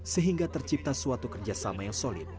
sehingga tercipta suatu kerjasama yang solid